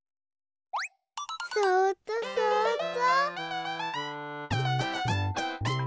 そうっとそうっと。